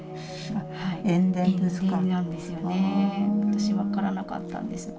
私分からなかったんです。